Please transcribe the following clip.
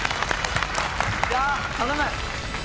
いや頼む！